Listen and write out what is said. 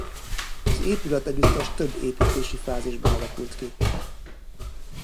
Az épületegyüttes több építési fázisban alakult ki.